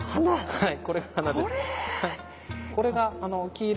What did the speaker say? はい。